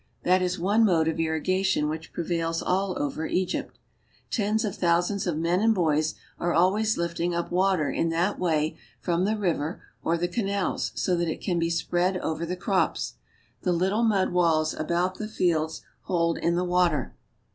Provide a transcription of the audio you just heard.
That is one mode of irrigation which prevails all over Egypt. Tens of thousands of men and hoys are always lifting up water in that way from the river or the canals so that it can be spread over the crops. The little mud walls about the fields hold in the water.